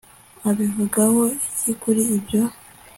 Ubivugaho iki kuri ibyo